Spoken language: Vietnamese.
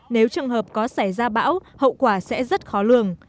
nếu trường hợp có xảy ra bão hậu quả sẽ rất khó lường